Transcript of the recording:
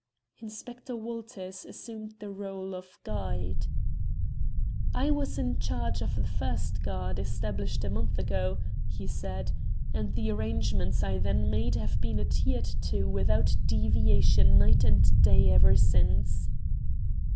Inspector Walters assumed the rôle of guide. "I was in charge of the first guard established a month ago," he said, "and the arrangements I then made have been adhered to without deviation night and day ever since."